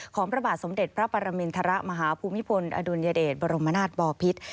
พระบาทสมเด็จพระปรมินทรมาฮภูมิพลอดุลยเดชบรมนาศบอพิษ